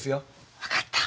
わかった。